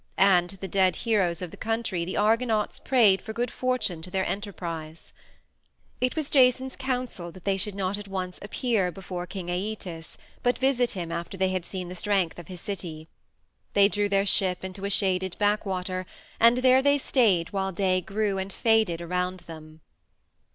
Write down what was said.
And to the dead heroes of that country the Argonauts prayed for good fortune to their enterprise. It was Jason's counsel that they should not at once appear before King Æetes, but visit him after they had seen the strength of his city. They drew their ship into a shaded backwater, and there they stayed while day grew and faded around them.